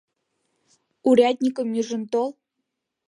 Урядникым ӱжын тол!..